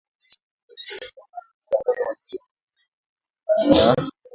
katika kutangaza matukio muhimu ya dunia na yanayotokea kanda ya